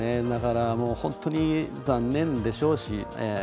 だから本当に残念でしょうし。